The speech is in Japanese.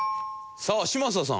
さあ嶋佐さん